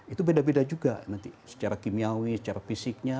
itu beda beda juga nanti secara kimiawi secara fisiknya